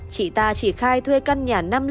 chỉ ta chỉ khai thuê căn nhà năm trăm linh một